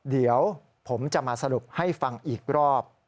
เดี๋ยวผมจะมาสรุปให้ฟังอีกรอบ